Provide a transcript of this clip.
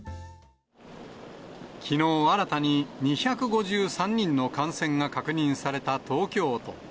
きのう新たに２５３人の感染が確認された東京都。